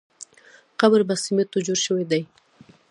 قبر په سمېټو جوړ شوی دی.